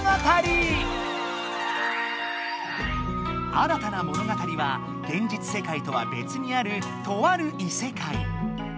新たな物語は現実世界とはべつにあるとある異世界。